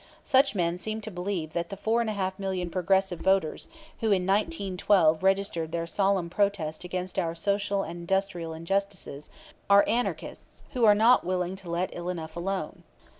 Such men seem to believe that the four and a half million Progressive voters, who in 1912 registered their solemn protest against our social and industrial injustices, are "anarchists," who are not willing to let ill enough alone.